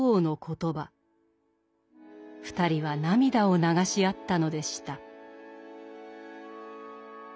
２人は涙を流し合ったのでした。